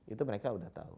itu mereka udah tau